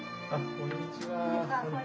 こんにちは。